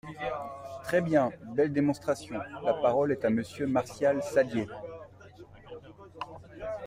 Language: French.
Très bien ! Belle démonstration ! La parole est à Monsieur Martial Saddier.